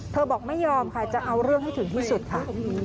บอกไม่ยอมค่ะจะเอาเรื่องให้ถึงที่สุดค่ะ